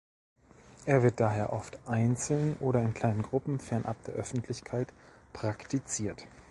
Er wird daher oft einzeln oder in kleinen Gruppen fernab der Öffentlichkeit praktiziert.